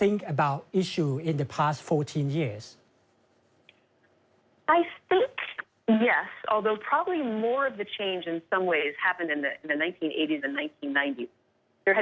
คงคิดว่าใช่แต่ความเปลี่ยนบางอย่างเกิดแหละเป็นในปี๑๙๘๐และ๑๙๙๐